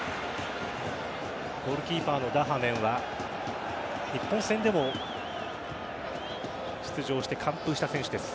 ゴールキーパーのダハメンは日本戦でも出場して完封した選手です。